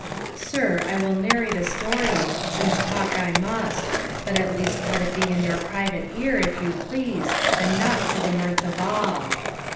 "Sir, I will narrate a story, since talk I must; but at least let it be in your private ear, if you please, and not for the mirth of all."